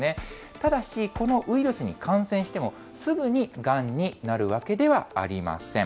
ただし、このウイルスに感染しても、すぐにがんになるわけではありません。